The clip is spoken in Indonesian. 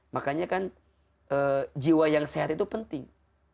makanya kan jiwa yang sehat itu penting